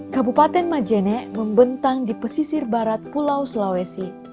kabupaten majene membentang di pesisir barat pulau sulawesi